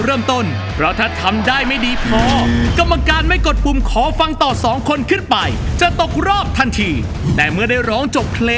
เห็นตัวเล็กแบบนี้ก็อย่าเพิ่งจะล่าใจไปนะครับพิธีกรและกรรมการ